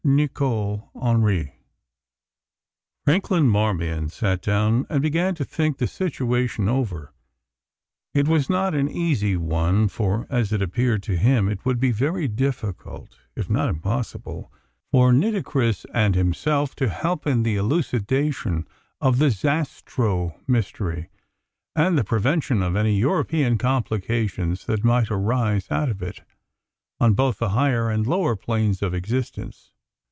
NICOL HENDRY Franklin Marmion sat down and began to think the situation over. It was not an easy one, for, as it appeared to him, it would be very difficult, if not impossible, for Nitocris and himself to help in the elucidation of the Zastrow mystery, and the prevention of any European complications that might arise out of it, on both the higher and the lower planes of existence.